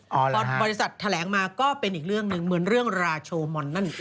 อ๋อเหรอฮะบริษัทแถลงมาก็เป็นอีกเรื่องหนึ่งเหมือนเรื่องราโชมอนด์นั่นอีก